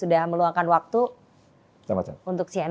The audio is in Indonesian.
sudah meluangkan waktu untuk cnn